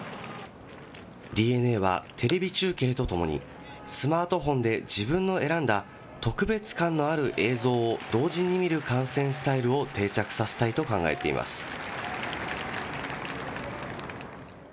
ＤｅＮＡは、テレビ中継とともに、スマートフォンで自分の選んだ特別感のある映像を同時に見る観戦スタイルを定着させたいと考えています。